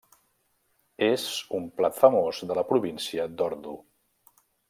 És un plat famós de la Província d'Ordu.